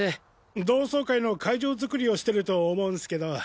同窓会の会場作りをしてると思うんスけど。